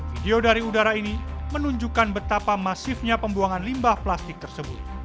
video dari udara ini menunjukkan betapa masifnya pembuangan limbah plastik tersebut